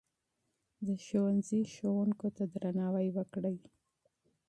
د ښوونځي ښوونکو ته درناوی وکړئ.